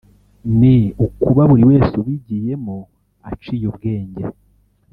ni ukuba buri wese ubigiyemo aciye ubwenge